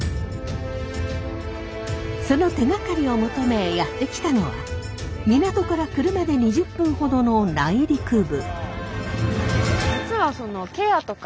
その手がかりを求めやって来たのは港から車で２０分ほどの内陸部。